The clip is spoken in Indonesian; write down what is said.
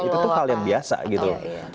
itu tuh hal yang biasa gitu loh